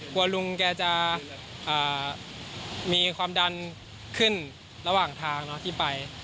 กลัวลุงแกจะมีความดันขึ้นระหว่างทางที่ไป